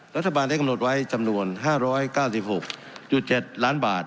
รัฐบาลได้กำหนดไว้จำนวน๕๙๖๗ล้านบาท